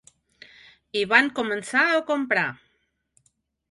I van començar a comprar.